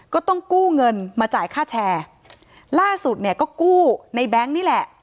ก็ต้องกู้เงินมาจ่ายค่าแชร์ล่าสุดเนี่ยก็กู้ในแบงค์นี่แหละ